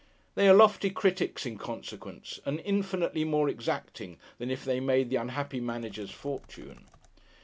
They are lofty critics in consequence, and infinitely more exacting than if they made the unhappy manager's fortune.